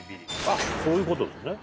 あそういうことですね